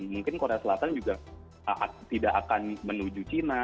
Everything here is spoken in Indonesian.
mungkin korea selatan juga tidak akan menuju cina